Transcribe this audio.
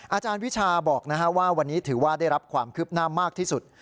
อาจารย์วิชาบอกว่าวันนี้ถือว่าได้รับความคืบหน้ามากที่สุด